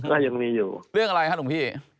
ก็ยังมีอยู่เรื่องอะไรครับหนุ่มพี่